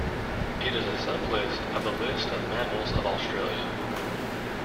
It is a sub-list of the list of mammals of Australia.